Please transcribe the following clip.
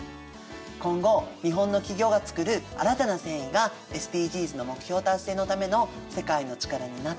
今後日本の企業が作る新たな繊維がＳＤＧｓの目標達成のための世界の力になったらすごくいいよね。